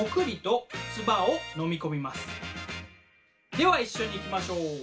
では一緒にいきましょう。